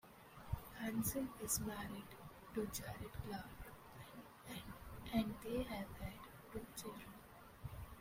Hanson is married to Jared Clarke and they have had two children.